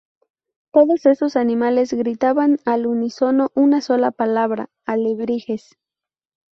Todos esos animales gritaban al unísono una sola palabra: "¡Alebrijes!